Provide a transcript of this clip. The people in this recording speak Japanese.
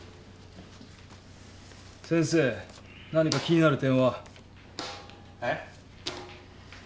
先生何か気になる点は？えっ？